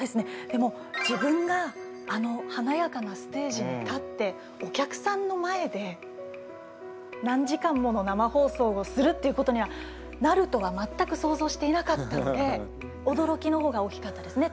でも自分があのはなやかなステージに立ってお客さんの前で何時間もの生放送をするっていうことにはなるとは全く想像していなかったのでおどろきの方が大きかったですね